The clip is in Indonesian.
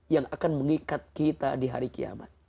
yang akan mengikat kita di hari kiamat